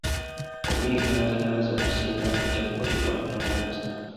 Okuyingiza amasannyalaze okusinga kujja kukolebwa mu gwomusanvu.